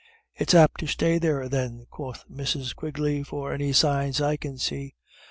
"It's apt to stay there, then," quoth Mrs. Quigley, "for any signs I can see."